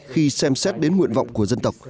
khi xem xét đến nguyện vọng của dân tộc